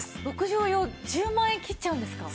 ６畳用１０万円きっちゃうんですか？